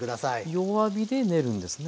弱火で練るんですね。